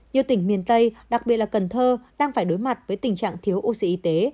nhiều tỉnh miền tây đặc biệt là cần thơ đang phải đối mặt với tình trạng thiếu oxy y tế